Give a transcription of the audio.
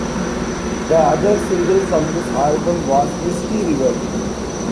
The other single from this album was "Misty River".